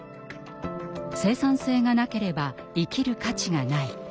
「生産性がなければ生きる価値がない」。